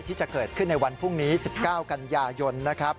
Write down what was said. ที่จะเกิดขึ้นในวันพรุ่งนี้๑๙กันยายนนะครับ